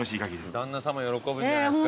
旦那さま喜ぶんじゃないですか？